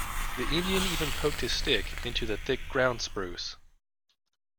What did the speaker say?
The Indian even poked his stick into the thick ground spruce.